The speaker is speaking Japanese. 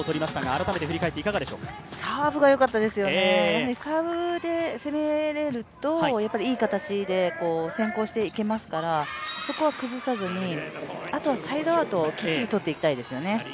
やはりサーブで攻められるといい形で先行していけますから、そこは崩さずに、あとはサイドアウトをきっちりとっていきたいですよね。